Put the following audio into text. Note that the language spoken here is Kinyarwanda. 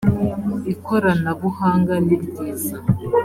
ikoranabuhanga niryiza.